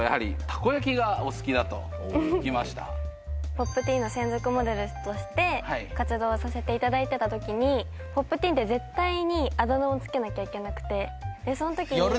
『Ｐｏｐｔｅｅｎ』の専属モデルとして活動させていただいてたときに『Ｐｏｐｔｅｅｎ』って絶対にあだ名を付けなきゃいけなくて。